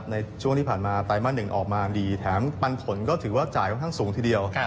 ในช่วงที่ผ่านมาไตรมาส๑ออกมาดีแถมปันผลก็ถือว่าจ่ายค่อนข้างสูงทีเดียว